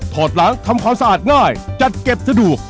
อดล้างทำความสะอาดง่ายจัดเก็บสะดวก